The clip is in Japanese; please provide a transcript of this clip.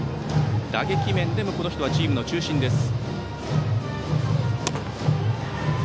打撃面でもこの人はチームの中心です。